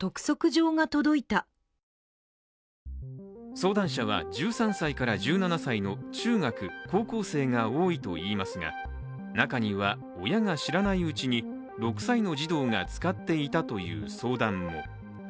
相談者は、１３歳から１７歳の中学・高校生が多いといいますが中には、親が知らないうちに６歳の児童が使っていたという相談も。